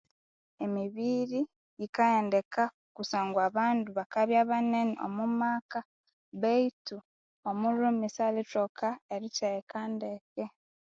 Emibiiri yikaghendeka kusangwa abandu bakabyabenene omwamaka bethu omulhume salikoka eritheghekandeke